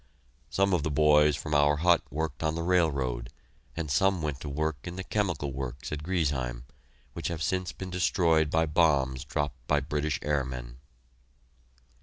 Some of the boys from our hut worked on the railroad, and some went to work in the chemical works at Griesheim, which have since been destroyed by bombs dropped by British airmen.